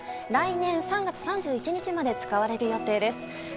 来年３月３１日まで使われる予定です。